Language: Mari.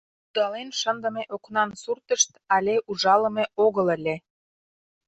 Пудален шындыме окнан суртышт але ужалыме огыл ыле.